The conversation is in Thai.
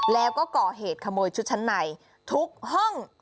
แล้วก็ก่อเหตุขโมยชุดชั้นในทุกห้อง